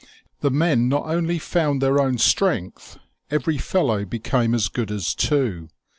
The men not only found their own strength, every fellow became as good as two.